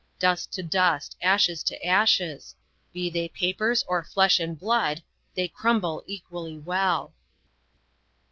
Dust to dust, ashes to ashes be they papers or flesh and blood, they crumble equally well."